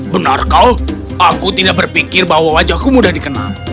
benar kau aku tidak berpikir bahwa wajahku mudah dikenal